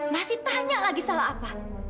masih tanya lagi salah apa